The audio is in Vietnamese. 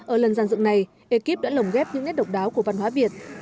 ở lần giàn dựng này ekip đã lồng ghép những nét độc đáo của văn hóa việt